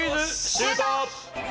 シュート！